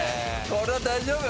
これは絶対大丈夫。